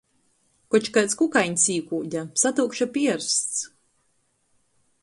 Koč kaids kukaiņs īkūde, satyukša piersts.